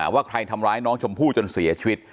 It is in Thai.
ว่าใครทำร้ายน้องชมพู่จนเสียชีวิต